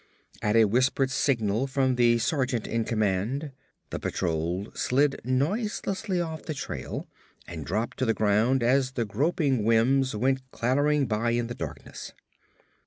At a whispered signal from the sergeant in command, the patrol slid noiselessly off the trail and dropped to the ground as the groping Wims went clattering by in the darkness.